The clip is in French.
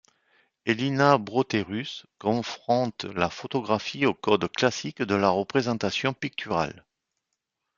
Elina Brotherus confronte la photographie aux codes classiques de la représentation picturale.